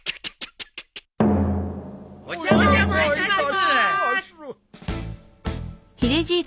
お邪魔いたします！